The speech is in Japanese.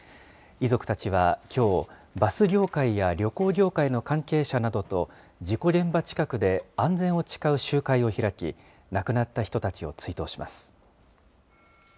遺族たちはきょう、バス業界や旅行業界の関係者などと、事故現場近くで安全を誓う集会を開き、亡くなった人たちを追悼します。